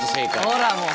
ほらもう！